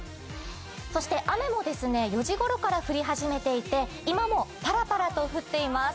そして雨も４時ごろから降り始めていて、今もパラパラと降っています。